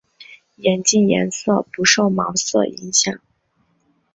眼镜颜色不受毛色影响。